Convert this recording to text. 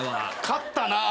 勝ったなぁ。